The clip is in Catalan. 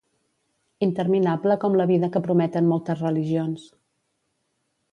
Interminable com la vida que prometen moltes religions.